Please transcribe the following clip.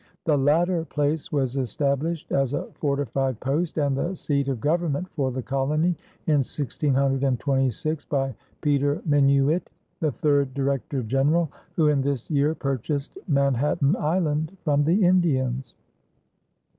The latter place was established as a fortified post and the seat of government for the colony in 1626 by Peter Minuit, the third Director General, who in this year purchased Manhattan Island from the Indians.